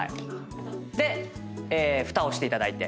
でふたをしていただいて。